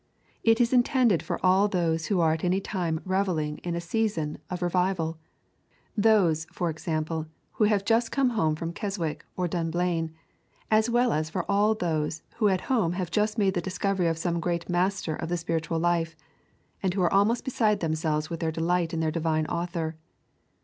It is intended for all those who are at any time revelling in a season of revival: those, for example, who are just come home from Keswick or Dunblane, as well as for all those who at home have just made the discovery of some great master of the spiritual life, and who are almost beside themselves with their delight in their divine author.